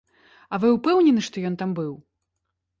А вы ўпэўнены, што ён там быў?